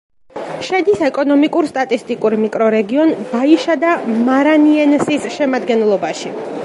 შედის ეკონომიკურ-სტატისტიკურ მიკრორეგიონ ბაიშადა-მარანიენსის შემადგენლობაში.